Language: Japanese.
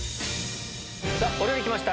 お料理来ました！